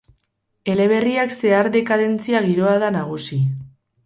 Eleberriak zehar dekadentzia giroa da nagusi.